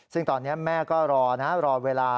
ซึ่งตอนนี้แม่ก็รอนะรอเวลา